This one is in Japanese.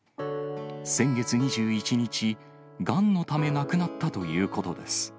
先月２１日、がんのため亡くなったということです。